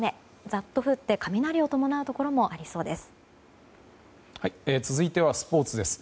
ざっと降って雷を伴うところもありそうです。